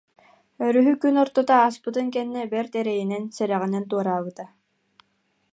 Өрүһү күн ортото ааспытын кэннэ бэрт эрэйинэн, сэрэҕинэн туораабыта